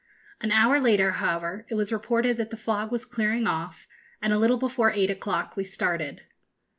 An hour later, however, it was reported that the fog was clearing off, and a little before eight o'clock we started.